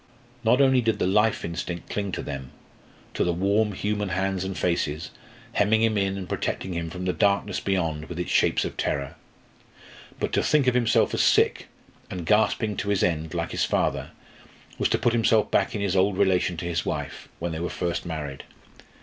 Not only did the life instinct cling to them, to the warm human hands and faces hemming him in and protecting him from that darkness beyond with its shapes of terror. But to think of himself as sick, and gasping to his end, like his father, was to put himself back in his old relation to his wife, when they were first married.